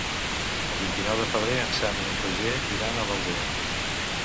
El vint-i-nou de febrer en Sam i en Roger iran a l'Aldea.